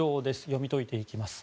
読み解いていきます。